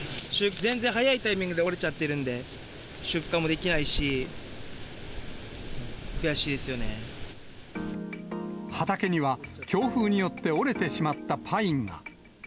全然早いタイミングで折れちゃってるんで、出荷もできないし、畑には、強風によって折れてしまったパインが。